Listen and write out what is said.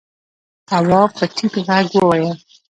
تواب په ټيټ غږ وويل: